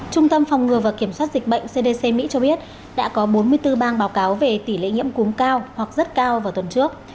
trung tâm phòng ngừa và kiểm soát dịch bệnh cdc mỹ cho biết đã có bốn mươi bốn bang báo cáo về tỷ lệ nhiễm cúm cao hoặc rất cao vào tuần trước